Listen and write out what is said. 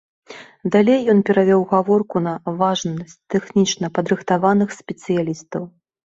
Далей ён перавёў гаворку на важнасць тэхнічна падрыхтаваных спецыялістаў.